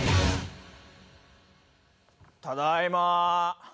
ただいま。